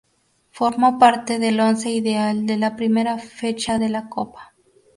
Formó parte del Once ideal de la primera fecha de la copa.